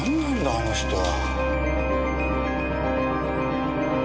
あの人は。